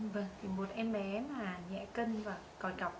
vâng thì một em bé mà nhẹ cân và còi cọc